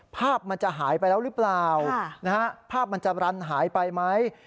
ภาพมันจะหายไปแล้วหรือเปล่าภาพมันจะรันหายไปไหม